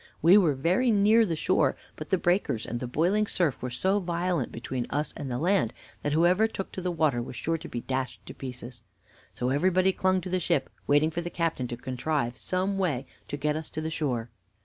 We were very near the shore, but the breakers and the boiling surf were so violent between us and the land that whoever took to the water was sure to be dashed in pieces. So everybody clung to the ship, waiting for the captain to contrive some way to get us to the shore."